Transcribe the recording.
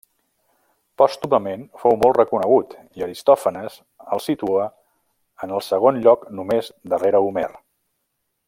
Pòstumament fou molt reconegut i Aristòfanes el situa en el segon lloc només darrere Homer.